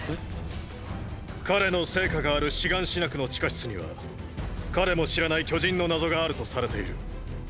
彼の生家があるシガンシナ区の地下室には彼も知らない巨人の謎があるとされている。